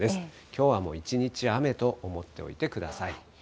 きょうはもう一日雨と思っておいてください。